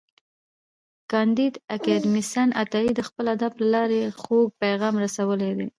کانديد اکاډميسن عطایي د خپل ادب له لارې خوږ پیغام رسولی دی.